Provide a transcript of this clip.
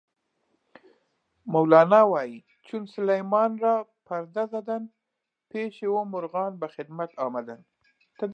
مولانا وایي: "چون سلیمان را سرا پرده زدند، پیشِ او مرغان به خدمت آمدند".